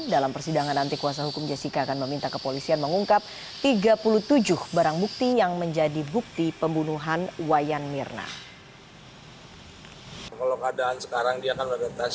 dalam persidangan nanti kuasa hukum jessica akan meminta kepolisian mengungkap tiga puluh tujuh barang bukti yang menjadi bukti pembunuhan wayan mirna